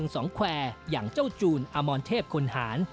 สองแควร์อย่างเจ้าจูนอมรเทพคนหาร